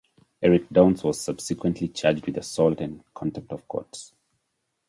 Eric Downs was subsequently charged with assault and contempt of court.